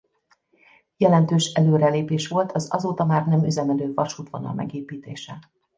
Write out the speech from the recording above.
Jelentős előrelépés volt az azóta már nem üzemelő vasútvonal megépítése.